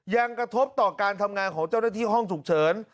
ยังกระทบต่อการทำงานของเจ้าหน้าที่ห้องฉุกเฉิน